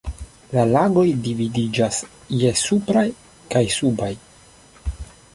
La lagoj dividiĝas je supraj kaj subaj.